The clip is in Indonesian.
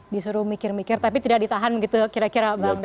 disuruh mikir mikir tapi tidak ditahan begitu kira kira bang d